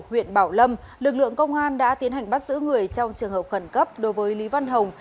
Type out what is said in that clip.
huyện bảo lâm lực lượng công an đã tiến hành bắt giữ người trong trường hợp khẩn cấp đối với lý văn hồng